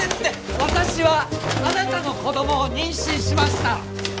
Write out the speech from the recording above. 私はあなたの子供を妊娠しました